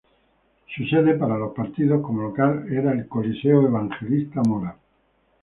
Su sede para los partidos como local era el Coliseo Evangelista Mora.